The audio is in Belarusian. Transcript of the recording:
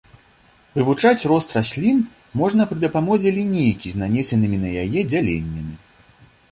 Вывучаць рост раслін можна пры дапамозе лінейкі з нанесенымі на яе дзяленнямі.